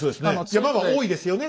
山が多いですよね